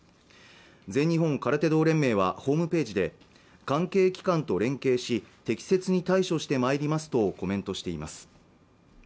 全日本空手道連盟はホームページで関係機関と連携し適切に対処してまいりますとコメントしています